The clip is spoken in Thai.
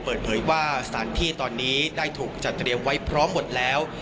เปิดเผยว่าสถานที่ตอนนี้ได้ถูกจัดเตรียมไว้พร้อมหมดแล้ว